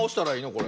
これ。